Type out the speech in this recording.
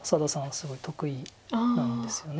すごい得意なんですよね。